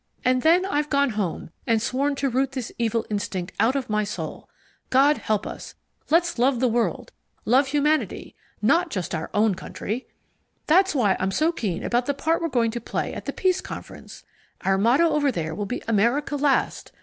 And then I've gone home and sworn to root this evil instinct out of my soul. God help us let's love the world, love humanity not just our own country! That's why I'm so keen about the part we're going to play at the Peace Conference. Our motto over there will be America Last!